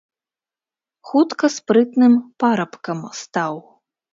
Хутка спрытным парабкам стаў.